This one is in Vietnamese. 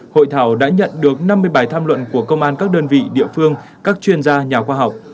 hội thảo đã nhận được năm mươi bài tham luận của công an các đơn vị địa phương các chuyên gia nhà khoa học